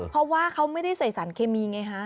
เพราะว่าเขาไม่ได้ใส่สารเคมีไงฮะ